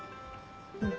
うん。